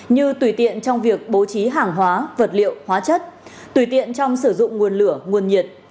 như tùy tiện trong việc bố trí hàng hóa vật liệu hóa chất tùy tiện trong sử dụng nguồn lửa nguồn nhiệt